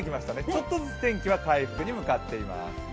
ちょっとずつ天気は回復に向かっています。